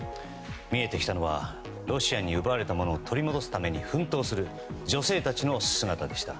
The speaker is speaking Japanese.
見えてきたのはロシアに奪われたものを取り戻すために奮闘する女性たちの姿でした。